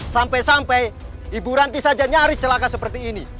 sampai sampai ibu ranti saja nyaris celaka seperti ini